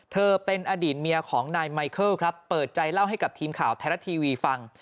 เธอเป็นอดีตเมียของนายไมเคิลครับเปิดใจเล่าให้กับทีมข่าวไทยรัฐทีวีฟัง